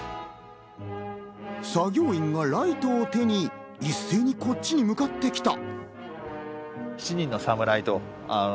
作業員がライトを手に、一斉にこっちに向かってきた。